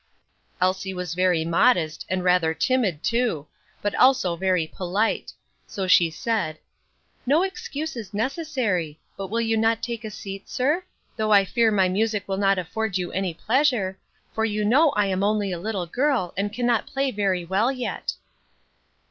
Elsie was very modest, and rather timid, too, but also very polite; so she said, "No excuse is necessary; but will you not take a seat, sir? though I fear my music will not afford you any pleasure, for you know I am only a little girl, and cannot play very well yet."